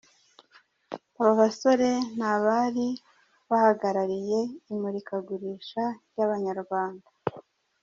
Abo basore ni abari bahagarariye imurikagurisha ry’Abanyarwanda.